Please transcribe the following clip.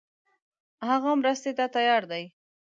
هغه مرستې ته تیار دی.